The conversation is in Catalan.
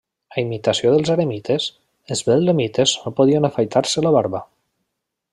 A imitació dels eremites, els betlemites no podien afaitar-se la barba.